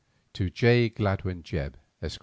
To J. Gladwyn Jebb, Esq.